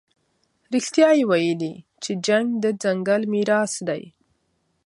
رښتیا یې ویلي چې جنګ د ځنګل میراث دی.